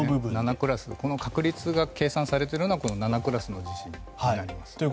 確率が計算されているのは７クラスの地震になります。